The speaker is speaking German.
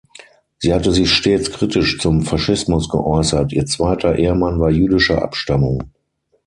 Sie hatte sich stets kritisch zum Faschismus geäußert, ihr zweiter Ehemann war jüdischer Abstammung.